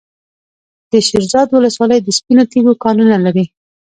د شیرزاد ولسوالۍ د سپینو تیږو کانونه لري.